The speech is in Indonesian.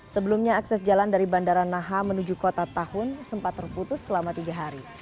sebelumnya akses jalan dari bandara naha menuju kota tahun sempat terputus selama tiga hari